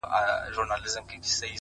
راسه يوار راسه صرف يوه دانه خولگۍ راكړه!